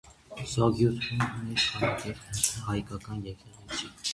Սոգյութլուն ուներ քարակերտ հայկական եկեղեցի։